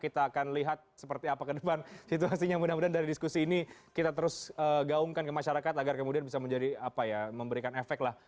kita akan lihat seperti apa ke depan situasinya mudah mudahan dari diskusi ini kita terus gaungkan ke masyarakat agar kemudian bisa menjadi apa ya memberikan efek lah